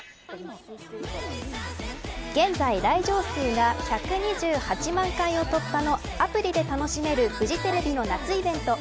現在、来場数が１２８万回を突破のアプリで楽しめるフジテレビの夏イベント